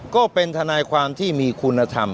ก็เป็นทนายความที่มีคุณธรรม